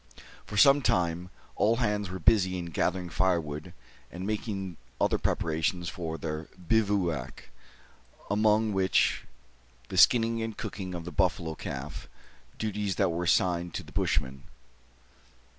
For some time, all hands were busy in gathering firewood and making other preparations for their bivouac, among which were the skinning and cooking of the buffalo calf, duties that were assigned to the Bushman.